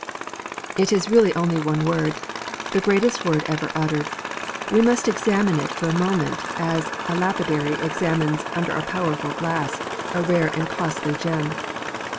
_' It is really only one word: the greatest word ever uttered; we must examine it for a moment as a lapidary examines under a powerful glass a rare and costly gem.